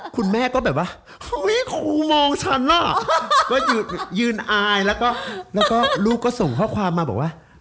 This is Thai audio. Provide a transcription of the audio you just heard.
คุณแม่ก็แบบว่าครูมองฉันล่ะว่ายืนอายแล้วก็ลูกก็ส่งข้อความมาบอกว่า